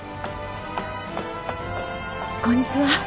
こんにちは。